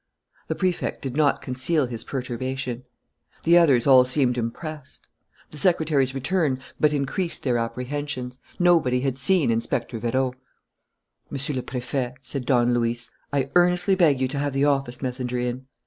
The Prefect did not conceal his perturbation. The others all seemed impressed. The secretary's return but increased their apprehensions: nobody had seen Inspector Vérot. "Monsieur le Préfet," said Don Luis, "I earnestly beg you to have the office messenger in."